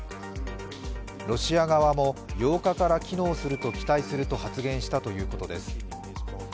ロシア側も８日から機能すると期待すると発言したということです。